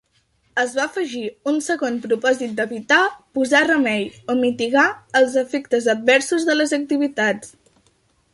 Es va afegir un segon propòsit d'evitar, posar remei o mitigar els efectes adversos de les activitats.